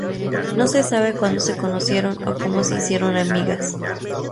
No se sabe cuando se conocieron o cómo se hicieron amigas.